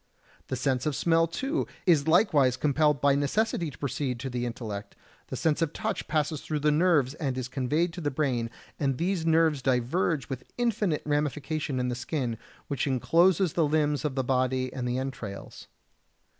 The sense of smell, too, is likewise compelled by necessity to proceed to the intellect; the sense of touch passes through the nerves and is conveyed to the brain, and these nerves diverge with infinite ramification in the skin, which encloses the limbs of the body and the entrails.